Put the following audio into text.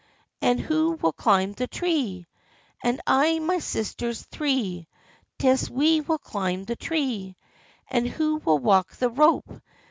44 And who will climb the tree ?" 44 I and my sisters three. 'Tis we will climb the tree." 44 And who will walk the rope?